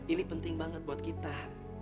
ini penting banget buat kita